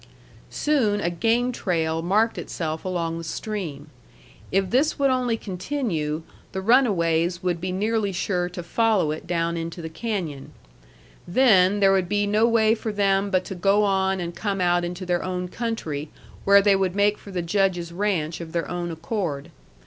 Soon a game trail marked itself along the stream. If this would only continue, the runaways would be nearly sure to follow it down into the canyon. Then there would be no way for them but to go on and come out into their own country, where they would make for the Judge's ranch of their own accord.